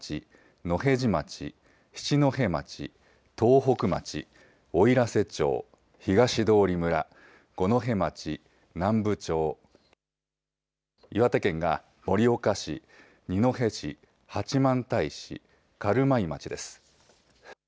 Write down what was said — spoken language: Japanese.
野辺地町、七戸町、東北町、おいらせ町、東通村、五戸町、南部町、岩手県が盛岡市、二戸市、八幡平市、軽米町です。